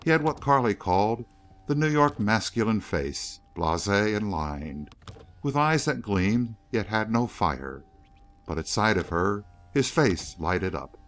He had what Carley called the New York masculine face, blasé and lined, with eyes that gleamed, yet had no fire. But at sight of her his face lighted up.